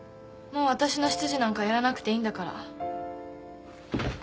もうわたしの執事なんかやらなくていいんだから。